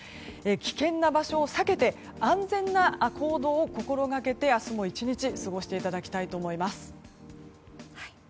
危険な場所を避けて安全な行動を心がけて明日も１日過ごしていただきたいと思います。